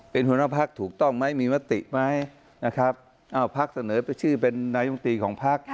เป็นคุณภาคถูกต้องไหมมีวัตติไหมนะครับภาคเสนอชื่อเป็นนายกุธธิของภาค